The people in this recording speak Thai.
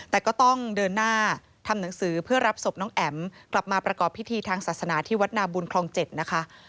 แต่ก็ต้องเดินหน้าทำหนังสือเพื่อรับศพน้องแอ๋มกลับมาประกอบพิธีทางศาสนาที่วัดนาบุญคลอง๗นะคะ